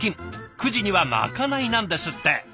９時にはまかないなんですって。